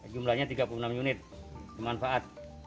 jumlahnya tiga puluh enam unit bermanfaat